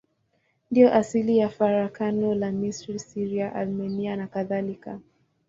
Ndiyo asili ya farakano la Misri, Syria, Armenia nakadhalika.